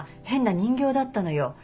変な人形だったのよ。